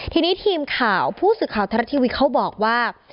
ทีนี้ทีมข่าวผู้สื่อข่าวทรัฐทีวีเขาบอกว่า